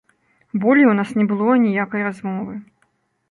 Болей у нас не было аніякай размовы.